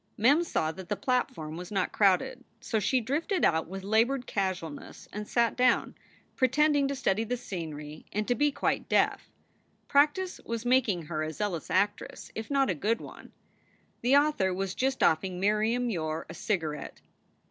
Mem saw that the platform was not crowded. So she drifted out with labored casualness and cat down, pretending to study the scenery and to be quite deaf. Practice was making her a zealous actress, if not a good one. The author was just offering Miriam Yore a cigarette.